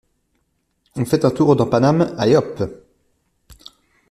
On fait un tour dans Paname, allez hop!